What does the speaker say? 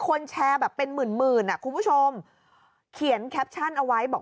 แชร์แบบเป็นหมื่นหมื่นอ่ะคุณผู้ชมเขียนแคปชั่นเอาไว้บอก